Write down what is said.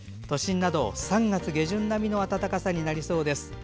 都心など３月下旬並みの暖かさになりそうです。